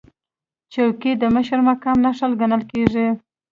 چوکۍ د مشر مقام نښه ګڼل کېږي.